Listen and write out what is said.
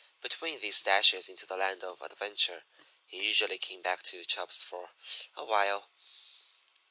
Between these dashes into the land of adventure he usually came back to Chubb's for a while.